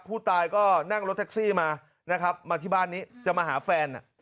ผู้ตายก็นั่งรถแท็กซี่มานะครับมาที่บ้านนี้จะมาหาแฟน